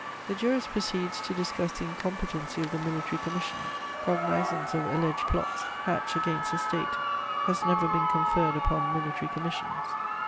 _ The jurist proceeds to discuss the incompetency of the military commission: cognizance of alleged plots hatched against the State has never been conferred upon military commissions.